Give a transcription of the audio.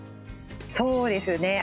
そうですね。